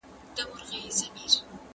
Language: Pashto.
¬ جنگ په وسله، ننگ په غله.